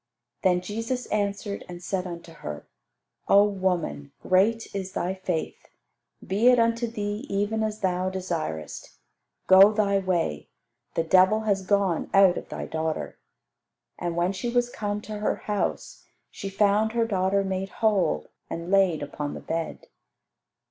Then Jesus answered, and said unto her, "O woman, great is thy faith; be it unto thee even as thou desirest. Go thy way; the devil has gone out of thy daughter." And when she was come to her house she found her daughter made whole and laid upon the bed.